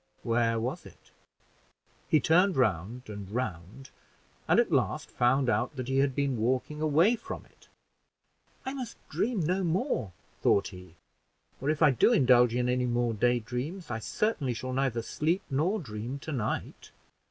Where was it? He turned round and round, and at last found out that he had been walking away from it. "I must dream no more," thought he, "or if I do indulge in any more daydreams, I certainly shall neither sleep nor dream to night.